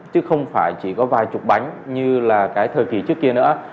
chứ không phải chỉ có vài chục bánh như là cái thời kỳ trước kia nữa